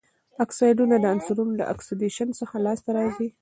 اکسایډونه د عنصرونو له اکسیدیشن څخه لاسته راځي.